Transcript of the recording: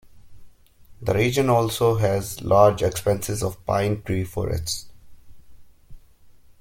The region also has large expanses of pine tree forests.